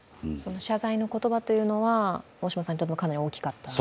謝罪の言葉というのは、大島さんにとってもかなり大きかったと？